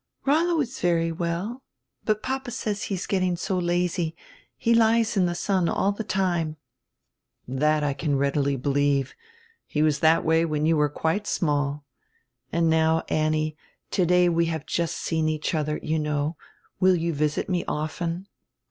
"Rollo is very well, hut papa says he is getting so lazy. He lies in the sun all die time." "That I can readily believe. He was diat way when you were quite small And now, Annie, today we have just seen each odier, you know; will you visit me often?"